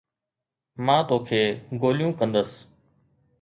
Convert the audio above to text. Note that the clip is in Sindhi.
مان توکي گوليون ڪندس